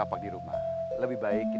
aku sudah berhenti